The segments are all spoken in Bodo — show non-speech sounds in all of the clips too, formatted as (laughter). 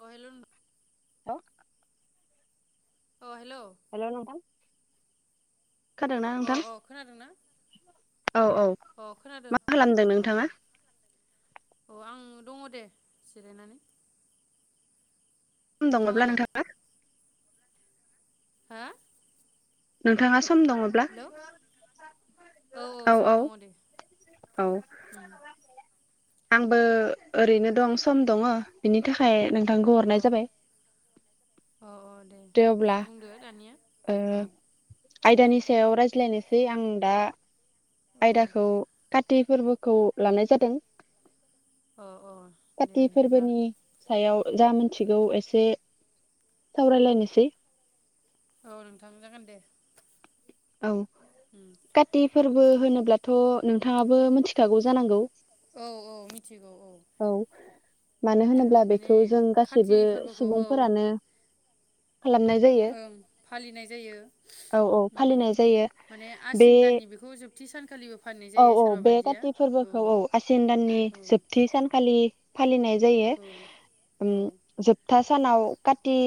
गहेलुन (unintelligible) अ हेल' हेल' नोंथां खादोंना अ नोंथां? अ खोनादोंना औ औ अ खोनादों मा खालामदों नोंथाङा? औ आं दङ दे जिरायनानै। ख दङब्ला नोंथाङालाय नोंथाङा? हा? नोंथाङा सम दङब्ला औ औ सम औ दङ दे औ उम आंबो ओरैनो दं सम दङ बिनि थाखाय नों थांखौ अ हरनाय जाबाय अ अ दे अब्ला बुंदो दानिया ओ औ आयदानि सायाव रायज्लायनोसै आं दा औ आयदाखौ काति फोरबोखौ लानाय जादों। अ अ दे काति बिदिब्ला फोरबोनि सायाव जा मिथिगौ एसे सावरायलायनोसै औ नोंथां जागोन दे औ उम काति फोरबो होनोब्लाथ' नोंथाङाबो मिथिखागौ जानांगौ औ औ मिथिगौ औ मानो होनोब्ला माने बेखौ जों खाथि गासैबो फोरबोखौ औ सुबुंफोरानो खालामनाय जायो ओं फालिनाय जायो औ औ उम फालिनाय जायो बे टि सानखालि औ औ बे काति फोरबोखौ औ आसिन दाननि औ जोबथि सानखालि फालिनाय जायो औ औ ओम जोबथा सानाव काथि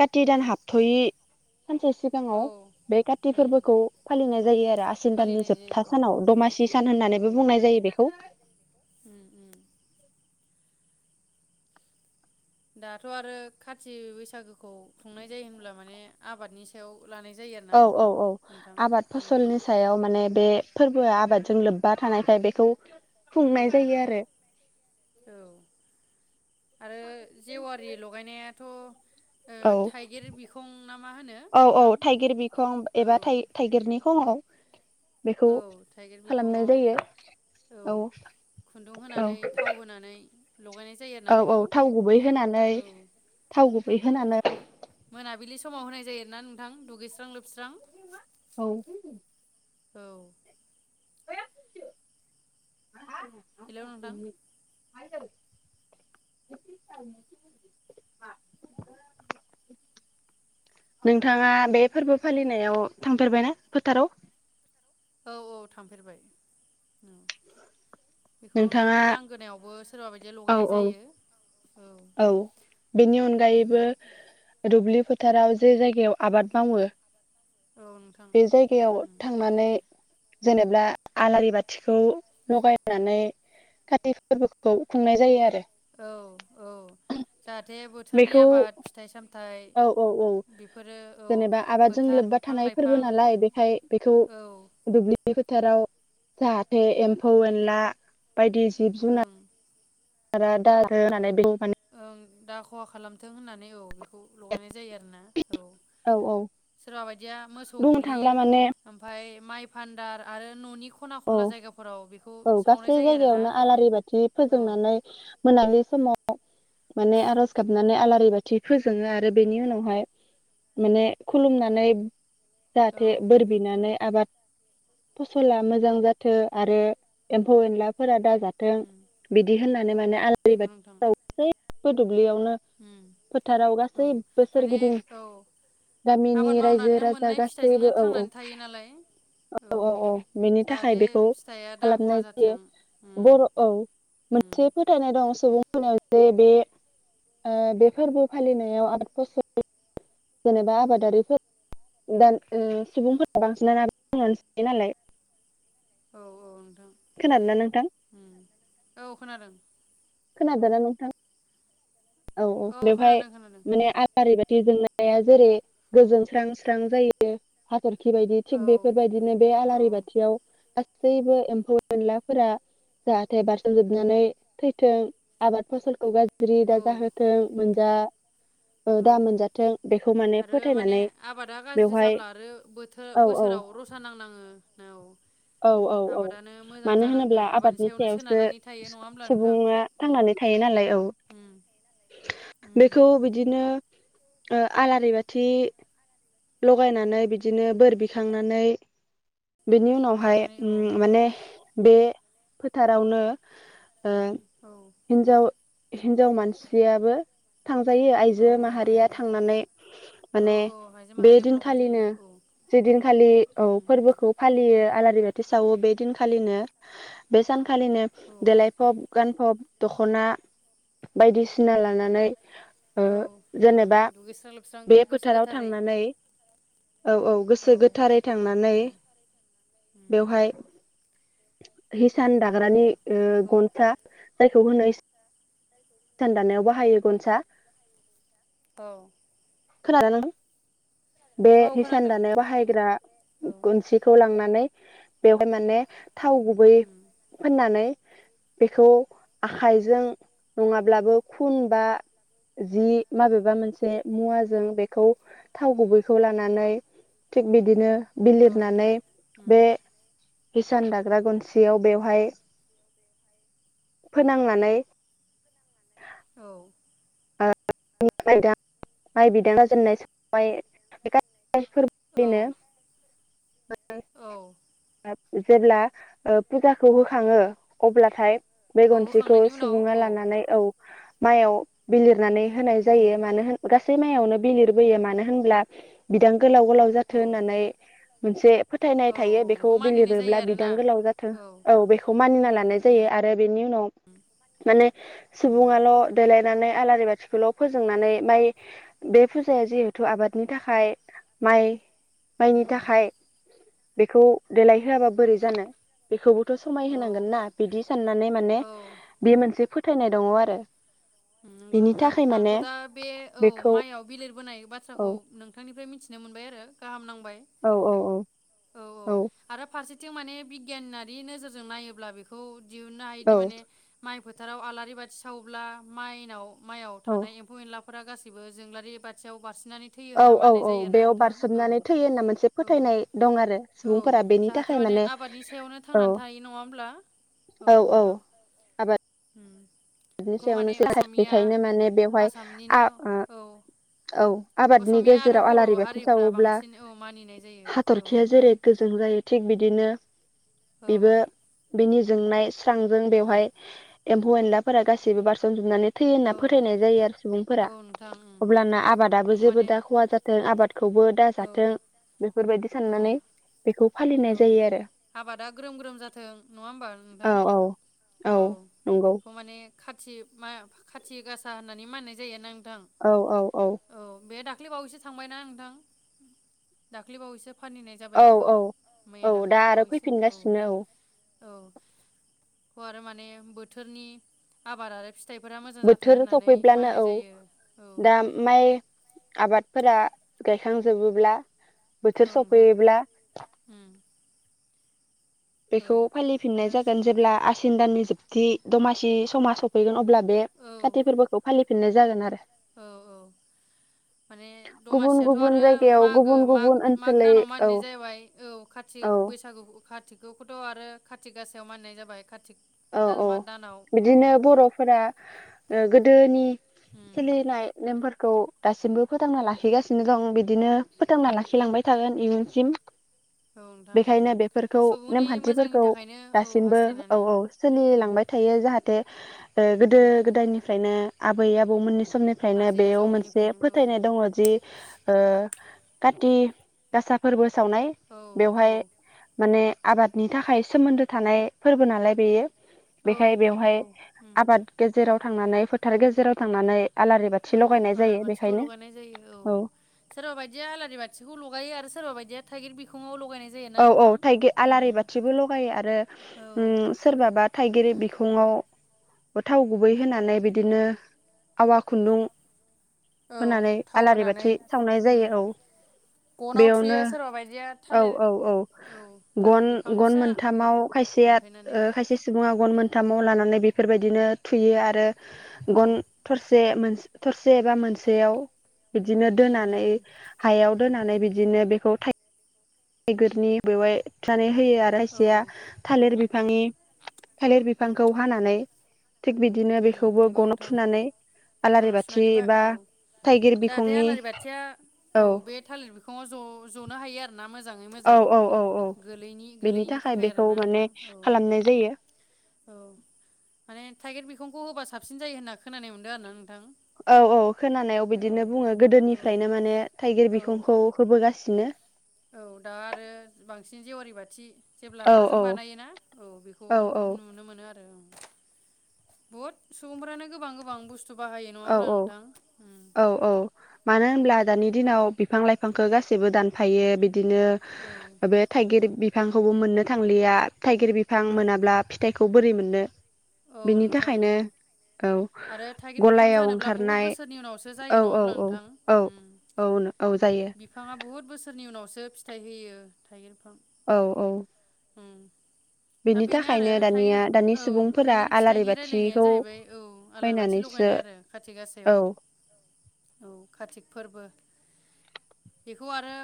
काथि दान हाबथ'यि सानसे औ सिगाङाव बे काति उम फोरबोखौ फालिनाय जायो आरो आसिन दाननि फालिनाय जायो जोबथा औ सानाव दमासि सान औ होननानैबो बुंनाय जायो बेखौ उम उम दाथ' आरो खाथि बैसागोखौ सुंनाय जायो होनब्ला माने आबादनि सायाव लानाय जायो आरोना औ बेखौ औ औ नोंथां आबाद उम फसलनि सायाव माने बे फोरबोआ आबादजों लोब्बा थानायखाय बेखौ औ खुंनाय जायो आरो (inaudible) औ थ' औ औ औ नोंथां थाइगिर बिखं औ एबा थाइ थाइगिरनि खङाव बेखौ औ थाइगिर खालामनाय बिखङाव जायो औ खुन्दुं औ होनानै थाव होनानै लगायनाय जायो आरोना औ औ बेखौ थाव गुबै होनानै औ थाव गु बै होनानै मोनाबिलि समाव होनाय जायोना नोंथां दुगैस्रां लोबस्रां औ औ हेलौ नोंथां (inaudible) नोंथाङा बे फोरबो फालिनायाव थांफेरबायना फोथाराव? औ औ थांफेरबाय (inaudible) बेखौ नोंथाङा न'नि लांगोनायावबो सोरबा बायदिया औ लगायनाय औ जायो औ बेनि उम अनगायैबो दुब्लि फोथाराव जे जायगायाव आबाद मावो औ नोंथां बे जायगायाव उम थांनानै जेनेबा आलारि बाथिखौ लगायनानै काति फोरबोखौ खुंनाय जायो आरो औ औ जाहाथे बोथोरनि बेखौ आबाद फिथाइ सामथाइ औ औ औ बेफोरो औ जेनेबा आबादजों फोथार लोब्बा बिफां थानाय फोरबो लाइफां नालाय बेखाय बेखौ औ दुब्लि फोथाराव जाहाथे एम्फौ एनला बायदि जिब जुनार ओं (unintelligible) दा खहा खालामथों होननानै औ। खौ लगायनाय जायो आरोना औ औ सोरबा बायदिया मोसौ बुंनो गलि थांला माने ओमफाय। माइ भान्दार आरो न'नि खना औ खनला जायगाफोराव बेखौ औ सावनाय गासै जायो आरोना जायगायावनो आलारि बाथि औ फोजोंनानै मोनाबिलि समाव। माने आरज गाबनानै आलारि बाथि फोजोङो आरो बेनि उनावहाय माने खुलुमनानै औ जाहाथे बोर बिनानै आबाद फसला मो मोजां जाथो आरो एम्फौ एनलाफोरा दा जाथों उम बिदि होननानै माने आलारि नंगौ बाथि नोंथां (unintelligible) (unintelligible) दुब्लियावनो उम फोथाराव औ गासैबो माने सोरगिदिं औ आबाद गामिनि रायजो मावनानैनो राजा मोननाय गासैबो फिथाइजोंनो औ औ थांनानै थायो नालाय औ औ औ बिनि जाहाथे बेखौ फिथाइया दा खहा खालामनाय जायो जाथों उम बर' औ उम मोनसे फोथायनाय दं सुबुंफोरनो जे बे ओ बे फोरबो फालिनायाव (inaudible) बोसोर जेनेबा आबादारिफोर गोदान सुबुंफोरानो बांसिनानो (inaudible) थायो नालाय। औ औ। नोंथां खोनादो ना नोंथां? उम औ खोनादों खोनादोना नोंथां? औ औ बेवहाय खोनादों खोनादों माने आल ओरैबाय जि जोमनाया जेरै गोजोन स्रां स्रां जायो। सोरखि बायदि औ थिक बेफोरबायदिनो बे आलारि औ बाथियाव गा- सैबो एम्फौ एनलाफोरा जाहाथे बारसोमजोबनानै थैथों आबाद फसलखौ गाज्रि औ जाहोथों मोनजा ओ औ दा मोनजाथों बेखौ माने आरो माने फोथायनानै आबादा गाज्रि बेवहाय जाब्ला आरो औ औ बोथो-बोसोराव रसा नांनाङो औ औ औ औ आबादानो मोजां मानो होनोब्ला जानांगोन आबादनि सायावनो सायावसो सोनारनानै थायो नङा होमब्ला नोंथां सुबुङा उम थांनानै थायो नालाय औ उम उम बेखौ बिदिनो। ओ आलारि बाथि लगायनानै बिदिनो बोर बिखांनानै बिनि उनाव- हाय ओरैखाय औ नोंथां माने बे फोथारावनो ओ औ हिनजाव हिनजाव मानसियाबो। थांजायो औ आइजो हिनजाव माहारिया थांनानै औ माने औ आइजो बे माहारियाबो लगाय जायो दिनखालिनो औ जे दिनखालि औ उम फोरबोखौ फालियो आला- बाथि सावो बे दिनखालिनो बे सान- खालिनो औ देलायफब गानफब दख'ना बायदिसिना लानानै ओ औ उम जेनेबा दुगैस्रां लोबस्रां बे गोसो फोथाराव गोथारै थांनानै औ औ गोसो गोथारै थांनानै उम उम (unintelligible) हिसान औ दाग्रानि ओ बेखौ गनफ्रा जायखौ होनो सान दानायाव बाहायो गनसा दौ खोनादोना नों बे हिसान खोनादों दानायाव बाहायग्रा औ गुनसिखौ लांनानै बेवहाय माने थाव गुबै उम फोननानै बेखौ आखाइजों नङाब्लाबो खुन बा जि माबेबा मोनसे मुवाजों बेखौ थाव गुबैखौ लानानै थिग बिदिनो औ नोंथां बिलिरनानै उम बे हिसान दाग्रा गनसेयाव बेवहाय फोनांनानै औ द माइ बिदां जेननाय सबाय बे गासै फोरबोनो औ औ जेब्ला फुजाखौ होखाङो अब्लाथाय बे औ गनसेखौ होखांनायनि उनाव सुबुङा औ लानानै औ माइयाव बिलिरनानै होनाय जायो उम मानो होन मनो बि लिरबोयो मानो होनब्ला बिथां गोलाव गोलाव जाथों औ होननानै मोनसे फोथायनाय औ थायो बेखौ बि मानिनाय जायो लिरोब्ला बिदां आरोना गोलाव जाथों औ बेखौ मानिना लानाय जायो आरो बेनि उनाव माने उम सुबुङाल' देलाय फनानै आलारि बाथिखौल' फोजोंनानै माइ बे फुजाया जिहेथु आबादनि थाखाय माइ माइनि उम थाखाय बेखौ देलायहोआबा बोरै जानो बेखौबो समाय औ होनांगोना बिदि साननानै माने औ बे मोनसे फथायैनाय दङ आरो। नंगौ बिनि नोंथां थाखाय माने आंथ' दा बे औ बेखौ माइआव बिलिरबोनाय औ बाथ्राखौ नोंथांनिफ्राय मिथि मिथिनो मोनबाय आरो गाहाम नां औ औ औ औ थथिं माने बिगियानारि नोजोरजों नायोब्ला बेखौ जि उना आदि माने माइ फोथाराव आलारि बाथि सावोब्ला माइनाव माइयाव थानाय एम्फौ एनला फोर गाैबो जोंलारि बथियाव बारसिन बिनानै थैयो औ होनना औ माननाय औ जायो ना बेयाव नोंथां औ बारसोमनानै थैयो होनना मोनसे औ फोथायनाय दं आरो औ सुबुंफोरा बेनि जाहाथे थाखाय माने आबादनि सायावनो औ थांनानै थानाय नङा होमब्ला औ नोंथां (inaudible) बिनि माने सायावनोसै असमिया बेखायनो माने बेवहाय आसामनिनो आ औ औ आबादनि असमिया आरो गेजेराव बर' आलारि बाथि हारिफ्रा सावोब्ला बांसिन औ मानिनाय जायो औ हाथरखिया नोंथां जेरै गोजों जायो थिग बिदिनो औ बेबो बेनि जोंनाय स्रांजों उम बेवहाय एनलाफोरा गासैबो बारसोमजोबनानै थैयो होनना औ फोथायनाय जायो आरो औ सुबुंफोरा। नोंथां उम अब्लाना आबादाबो बेखौ जेबो माने दा खहा जाथों आबादखौबो औ दाजाथों बेफोरबायदि औ साननानै बेखौ फालिनाय औ जायो आरो आबादा ग्रोम ग्रोम जाथों नङा होमबा नोंथां औ औ औ नंगौ बेखौ माने। खाथि मा खाथि गासा होननानै मानिनाय जायो। नोंथां औ औ औ। दाख्लै बावैसो थांबायना नोंथां दाख्लै बावैसो। फालिनाय जाबाय बेखौ। औ औ मैया औ दा दाखालि आरो बावैसो फैफिनगासिनो औ। औ बिखौ आरो माने बोथोरनि आबाद आरो फि बोथोर सफैब्लानो औ औ दा माइ आबादफोरा। गायखांजोबोब्ला। औ बोथोर नोंथां सफैयोब्ला। उम औ बेखौ फालि फिननाय आरो जागोन जेब्ला आसिन दाननि जोबथि दमासि समा सफैगोन अब्ला बे औ काति फोरबोखौ फालि फिननाय जागोन आरो। औ औ माने गुबुन दमासियाथ' गुबुन आरो जायगायाव मागो गुबुन माग गुबुन माग ओनसोलै दानाव औ मानिनाय जाहैबाय औ काति औ बैसागुखौ काति बेखौथ' आरो कातिक गासायाव मानिनाय जाबाय कातिक औ औ बिदिनो बर'फोरा ओ गो दोनि उम सोलिनाय नेमफोर खौ दासिमबो फोथांना लाखिगासिनो दं बिदिनो फोथांना लाखिलांबाय थागोन इयुनसिम। औ नोंथां बेखायनो बेफोरखौ सुबुंनि मोजांनि नेमखान्थिफोरखौ थाखायनो औ दासिमबो औ हास्थायनानै औ उम सोलिलांबाय थायो जाहाथे ओ गोदो उम गोदायनिफ्रायनो आबै आबौ मोननि स मनिफ्रायनो आजै बेयाव मोनसे आजौमोननिफ्रायनो औ फोथायनाय दङ जि ओ काति गासा फोरबो सावनाय औ औ बेवहाय माने आबादनि थाखाय सोमोन्दो थानाय फोरबो नालाय बेयो। औ बेखाय नोंथां बेवहाय नंगौ उम आबाद गेजेराव थांनानै फोथार गेजेराव। थांनानै आलारि बाथि औ लगायनाय जायो आलारि बाथिखौ बेखायनो लगायनाय जायो औ सोरबा बायदिया आलारि बाथिखौ लगायो आरो सोरबा बायदि या थायगिर बिखङाव ल औ औ थाइगि आलारि बाथिबो लगायो आरो औ उम सोरबाबा थाइगिर बि खुंङाव थाव गुबै होनानै बिदिनो आवा खुन्दुं औ होनानै थाव आलारि होनानै बाथि सावनाय उम जायो औ गनाव बेयावनो थुयो सोरबा बायदिया औ थालिर औ औ औ थालिर गन बिफां गन फिसा औ मोनथामाव खायसेया दानफायनानै ओ खायसे सुबुङा गन मोनथामाव लानानै बेफोरबायदिनो थुयो आरो औ गन थरसे मोनस थरसे एबा मोनसेयाव बिदिनो उम दोनानै उम हायाव उम दोनानै बिदिनो बेखौ थाइ गोरनि बेवहाय (unintelligible) होयो आरो औ खायसेया औ थालिर बिफांनि थालिर बिफांखौ हानानै थिग बिदिनो उम बेखौबो नंगौ गनाव नोंथां थुनानै आलारि अराव बाथि सुनानै बा औ थाइगिर जाहाथे बिखंनि आलारि बाथिया औ बे थालिर बिखङाव ज-जनो हायो आरो औ औ औ औ बेनि गोलैनि थाखाय बेखौ आरोना माने नोंथां औ खालामनाय जायो औ (inaudible) माने थाइगिर बिखंखौ होबा साबसिन जायो होनना खोनानाय मोनदों आरोना नोंथां औ औ खोनानायाव औ बिदिनो बुङो औ गोदोनिफ्रायनो माने थाइगिर औ बिखंखौ होबोगासिनो औ दा आरो बांसिन जेवारि बाथि जेब्ला औ हाजों औ बानायोना औ बेखौ औ नुनो मोनो आरो औ बुहुद सुबुंफ्रानो गोबां गोबां बुस औ औ औ औ मानो होनब्ला दानि दिनाव बिफां लाइफांखौ गासिबो दानफायो बिदिनो औ बे थाइगिर बिफांखौबो मोननो थांलिया थाइगिर बिफां मोनाब्ला फिथाइखौ बोरै मोननो। औ बिनि नोंथां थाखायनो नंगौ औ। आरो थाइगिर बिफां गलायाव जानोब्ला बुहुत ओंखारनाय बोसोरनि उनावसो जायो औ नङा औ ब्ला औ नोंथां औ उम औ औ जायो बिफाङा बुहुद बोसोरनि उनाव बावसो फिथाइ होयो थाइगिर बिफां। औ औ। उम। दा बेनि बेनो आरो थाखायनो थाइगिर दानिया दानि औ सुबुंफोर थाइगिर फिथाइनि रायलायनाया जाहैबाय औ आलार बाथि बायनानैसो लगायनाय आरो खाथि गासायाव औ औ कारतिक फोरबो बेखौ आरो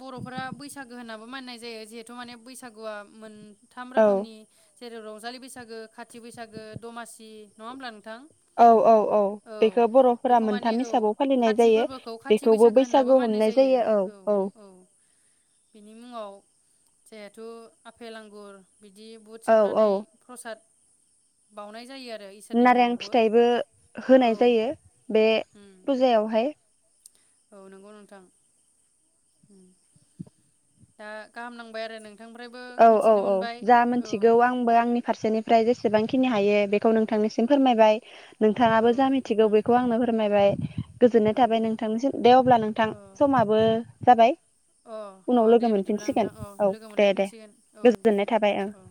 बर'फोरा बैसागो होननाबो माननाय जायो जिहेथु माने बैसागुआ मोन थाम औ रोखोमनि जेरै रंजालि बैसागो खाथि बैसागो दमासि नङा होमब्ला नोंं थां औ औ औ बेखौ बर'फोरा बेखौ माने मोनथाम औ हिसाबाव फालिनाय खाथि जायो फोरबोखौ खाथि बेखौबो बैसागो होननाबो बैसागु मानिनाय हमनाय जायो औ औ बिनि मुङाव जेहेथु आफेल आंगुर बिदि बुद औ सोमनानै औ प्रसाद बाउनाय जायो आरो। इसोरनि नारें मुङावबो फिथाइबो औ होनाय जायो बे उम फुजायावहाय। औ नंगौ नोंथां। (inaudible) दा गाहाम नांबाय आरो नों औ औ औ जा मिथिगौ आंबो आंनि फारसेनिफ्राय जेसे जेसेबांखिनि हायो बेखौ नोंथांनिसिम फोरमायबाय। औ नोंथाङाबो जा मिथिगौ नोंथां बेखौ आंनो फोरमायबाय। गोजोननाय औ थाबाय नोंथांनिसिम दे अब्ला नोंथां अ समाबो जाबाय अ उनाव लोगो मोनफिनसिगोन औ दे दे। गोन औ दे गोजोननाय नोंथां थाबाय ओं औ।